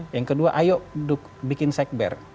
yang kedua ayo bikin sekber